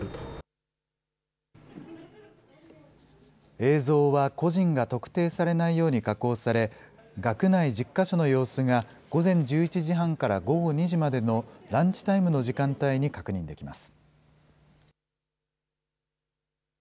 映像は個人が特定されないように加工され、学内１０か所の様子が、午前１１時半から午後２時までのランチタイムの時間帯に確認できます。